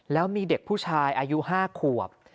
แล้วมีเด็กผู้ชายอายุ๕ขวบ